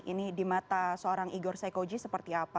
ini di mata seorang igor sekoji seperti apa